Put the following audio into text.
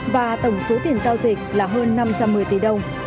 và tổng số tiền giao dịch là hơn năm trăm một mươi tỷ đồng